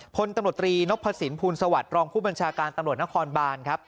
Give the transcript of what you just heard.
พลตำรวจตรีนพสินภูลสวัสดิ์รองผู้บัญชาการตำรวจนครบานครับ